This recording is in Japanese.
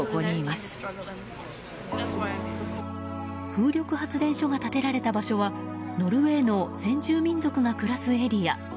風力発電所が建てられた場所はノルウェーの先住民族が暮らすエリア。